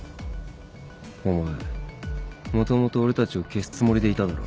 お前もともと俺たちを消すつもりでいただろ。